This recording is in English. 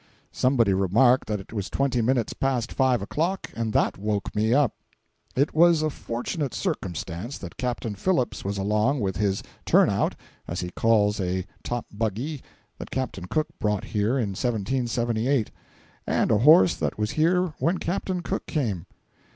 Somebody remarked that it was twenty minutes past five o'clock, and that woke me up. It was a fortunate circumstance that Captain Phillips was along with his "turn out," as he calls a top buggy that Captain Cook brought here in 1778, and a horse that was here when Captain Cook came.